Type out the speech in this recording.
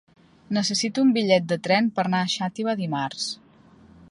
Necessito un bitllet de tren per anar a Xàtiva dimarts.